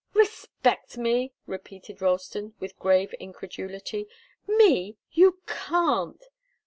"Respect me!" repeated Ralston, with grave incredulity. "Me! You can't!"